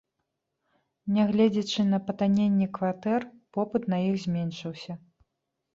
Нягледзячы на патанненне кватэр, попыт на іх зменшыўся.